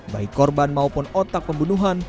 baik korban maupun otak pembunuhan